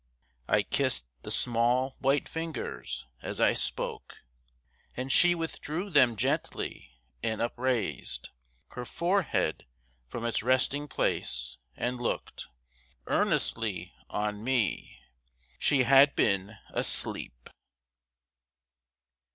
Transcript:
I kissed the small white fingers as I spoke, And she withdrew them gently, and upraised Her forehead from its resting place, and looked Earnestly on me She had been asleep!